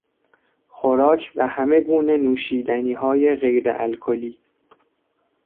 خوراک و همه گونه نوشیدنیهای غیر الکلی